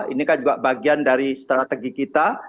ini kan juga bagian dari strategi kita